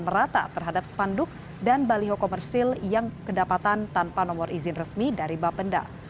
merata terhadap spanduk dan baliho komersil yang kedapatan tanpa nomor izin resmi dari bapenda